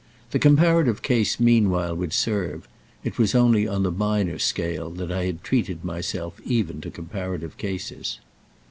The comparative case meanwhile would serve—it was only on the minor scale that I had treated myself even to comparative cases.